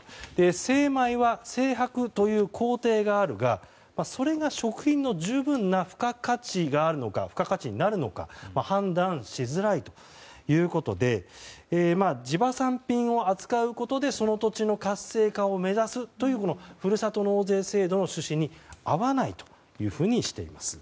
精米は、精白という工程があるがそれが食品の十分な付加価値になるのか判断しづらいということで地場産品を扱うことでその土地の活性化を目指すというふるさと納税制度の趣旨に合わないとしています。